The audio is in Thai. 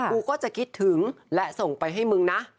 กูก็จะคิดถึงและส่งไปให้มึงนะ